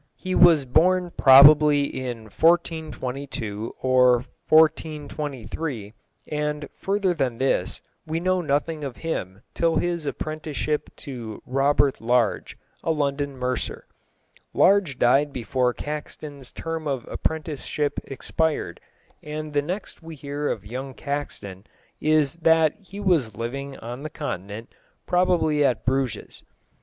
He was born probably in 1422 or 1423, and further than this we know nothing of him till his apprenticeship to Robert Large, a London mercer. Large died before Caxton's term of apprenticeship expired, and the next we hear of young Caxton is that he was living on the Continent, probably at Bruges.